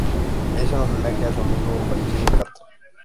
Es un homenaje a su amigo fallecido Kato.